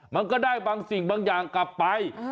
มันก็ได้บางสิ่งบางอย่างกลับไป